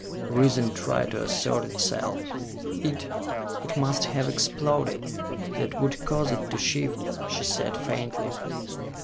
Reason tried to assert itself. "It it must have exploded. That would cause it to shift," she said faintly.